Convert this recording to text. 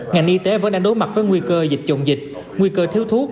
ngành y tế vẫn đang đối mặt với nguy cơ dịch chồng dịch nguy cơ thiếu thuốc